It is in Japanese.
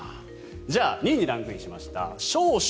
じゃあ２位にランクインした少々。